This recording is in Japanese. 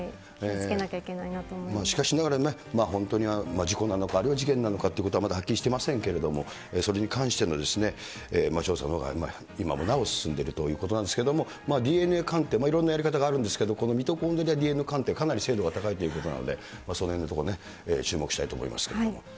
気をつけなきゃいけないなとしかしながら、本当に事故なのか、あるいは事件なのかということはまだはっきりしてませんけれども、それに関しての調査のほうが今もなお進んでいるということなんですけれども、、ＤＮＡ鑑定、いろんなやり方があるんですけど、このミトコンドリアＤＮＡ鑑定、かなり精度が高いということなので、そのへんのところね、注目したいと思いますけれども。